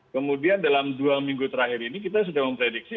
kemudian dalam dua minggu terakhir ini kita sudah memprediksi